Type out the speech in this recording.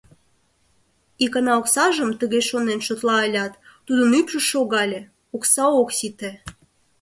Икана оксажым, тыге шонен, шотла ылят, тудын ӱпшӧ шогале — окса ок сите.